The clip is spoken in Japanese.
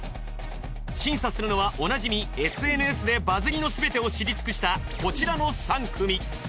審査するのはおなじみＳＮＳでバズりのすべてを知り尽くしたこちらの３組。